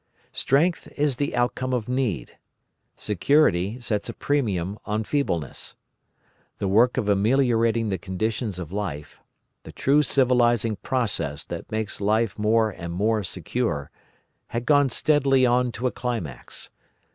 Strength is the outcome of need; security sets a premium on feebleness. The work of ameliorating the conditions of life—the true civilising process that makes life more and more secure—had gone steadily on to a climax.